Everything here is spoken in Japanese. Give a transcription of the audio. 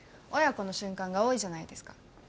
親子の瞬間が多いじゃないですか。